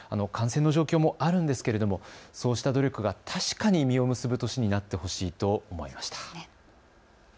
感染の状況もあるんですけれどもそうした努力が確かに実を結ぶ年になってほしいと思いました。